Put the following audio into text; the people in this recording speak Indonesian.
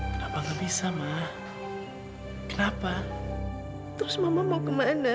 kenapa gak bisa mah kenapa terus mama mau kemana